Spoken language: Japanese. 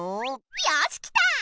よしきた！